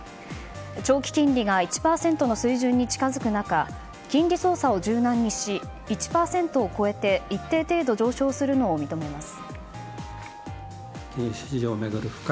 長期金利が１％の水準に近付く中金利操作を柔軟にし１％を超えて一定程度上昇するのを認めます。